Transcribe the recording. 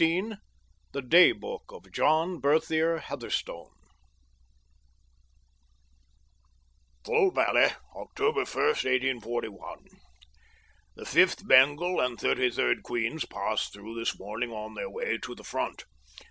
THE DAY BOOK OF JOHN BERTHIER HEATHERSTONE Thull Valley, Oct. 1, 1841. The Fifth Bengal and Thirty third Queen's passed through this morning on their way to the Front.